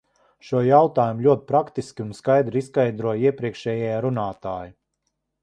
Šo jautājumu ļoti praktiski un skaidri izskaidroja iepriekšējie runātāji.